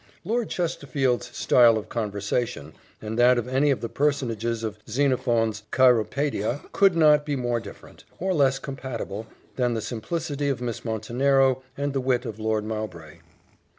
Lord Chesterfield's style of conversation, and that of any of the personages in Xenophon's Cyropaedia, could not be more different, or less compatible, than the simplicity of Miss Montenero and the wit of Lord Mowbray.